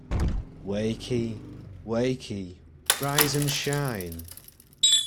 Wakey, wakey! Rise and shine!